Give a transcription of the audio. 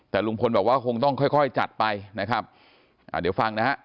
แต่ลุงพลบอกว่าคงต้องค่อยค่อยจัดไปนะครับอ่าเดี๋ยวฟังนะฮะ